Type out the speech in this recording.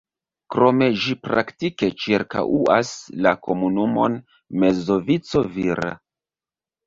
Krome ĝi praktike ĉirkaŭas la komunumon Mezzovico-Vira.